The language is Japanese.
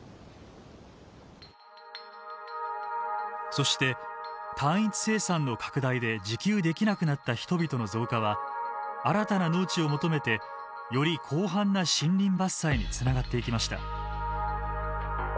そして単一生産の拡大で自給できなくなった人々の増加は新たな農地を求めてより広範な森林伐採につながっていきました。